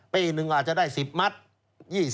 ปีหนึ่งอาจจะได้๑๐มัตต์